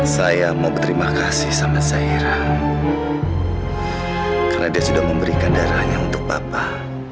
saya mau berterima kasih sama saira karena dia sudah memberikan darahnya untuk bapak